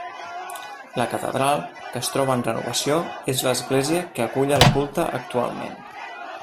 La catedral, que es troba en renovació, és l'església que acull el culte actualment.